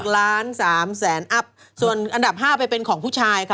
๖ล้าน๑๕๐๐๐๐อันดับ๕มาเป็นของผู้ชาย